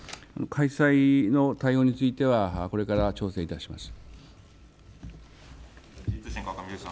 開催の対応についてはこれから調整します。